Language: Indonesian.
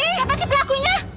siapa sih pelakunya